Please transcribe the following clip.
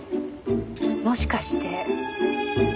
もしかして。